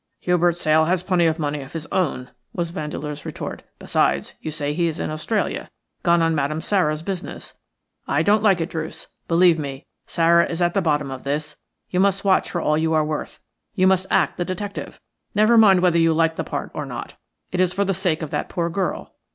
"Hubert Sale has plenty of money of his own," was Vandeleur's retort. "Besides, you say he is in Australia – gone on Madame Sara's business. I don't like it, Druce. Believe me, Sara is at the bottom of this. You must watch for all you are worth. You must act the detective. Never mind whether you like the part or not. It is for the sake of that poor girl.